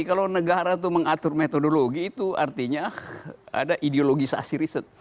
kalau negara itu mengatur metodologi itu artinya ada ideologisasi riset